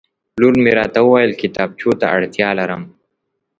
لور مې راته وویل کتابچو ته اړتیا لرم